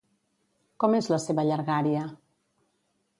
Com és la seva llargària?